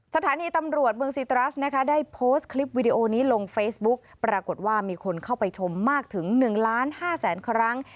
สถานีตำรวจเมืองซีตรัสนะคะได้โพสต์คลิปวิดีโอนี้ลงเฟซบุ๊กปรากฏว่ามีคนเข้าไปชมมากถึง๑ล้าน๕แสนครั้ง